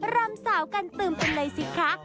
รำสาวกันตึมกันเลยสิคะ